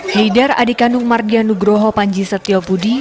heidar adik kandung mardianugroho panji setiopudi